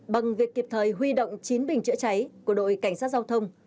bằng việc kịp thời huy động chín bình chữa cháy của đội cảnh sát giao thông